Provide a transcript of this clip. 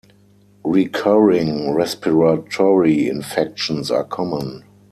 Recurring respiratory infections are common.